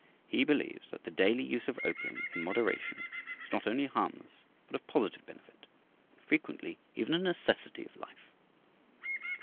He believes that "The daily use of opium in moderation is not only harmless but of positive benefit, and frequently even a necessity of life."